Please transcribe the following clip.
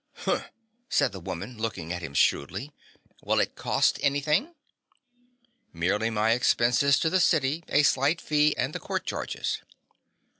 "Humph!" said the woman, looking at him shrewdly. "Will it cost anything?" "Merely my expenses to the city, a slight fee and the court charges."